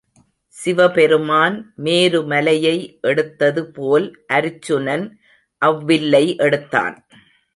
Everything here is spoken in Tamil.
சிவபெருமான் மேருமலையை எடுத்தது போல் அருச்சுனன் அவ்வில்லை எடுத்தான்.